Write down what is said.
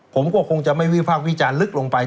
ผมก็คงจะไม่วิพากษ์วิจารณ์ลึกลงไป